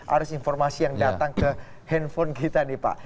arus informasi yang datang ke handphone kita nih pak